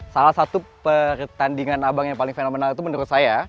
salah satu pertandingan abang yang paling fenomenal itu menurut saya